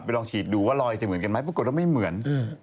ลองฉีดดูว่ารอยจะเหมือนกันไหมปรากฏว่าไม่เหมือน